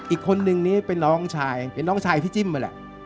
อีกคนนึงนี้เป็นน้องชายเป็นน้องชายพี่จิ้มนั่นแหละ